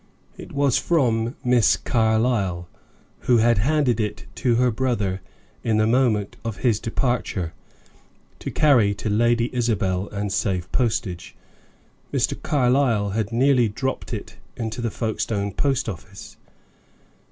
It was from Miss Carlyle, who had handed it to her brother in the moment of his departure, to carry to Lady Isabel and save postage. Mr. Carlyle had nearly dropped it into the Folkestone post office.